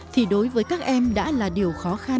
thì đối với các em đã là điều khó khăn